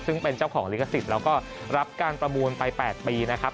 ซึ่งเป็นเจ้าของลิขสิทธิ์แล้วก็รับการประมูลไป๘ปีนะครับ